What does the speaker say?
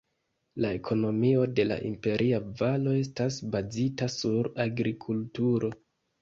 La ekonomio de la Imperia Valo estas bazita sur agrikulturo.